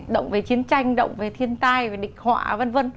động về chiến tranh động về thiên tai về địch họa v v